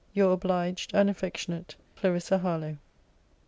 Your obliged and affectionate CLARISSA HARLOWE.